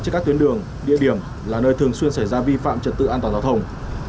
trên các tuyến đường địa điểm là nơi thường xuyên xảy ra vi phạm trật tự an toàn giao thông